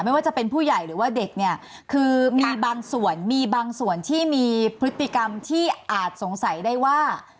ไม่ว่าจะเป็นผู้ใหญ่หรือว่าเด็กเนี่ยคือมีบางส่วนมีบางส่วนที่มีพฤติกรรมที่อาจสงสัยได้ว่า